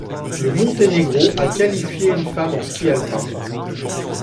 Le Monténégro a qualifié une femme en ski alpin.